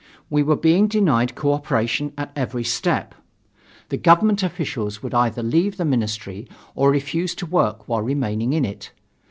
We were being denied co operation at every step. The government officials would either leave the Ministry or refuse to work while remaining in it.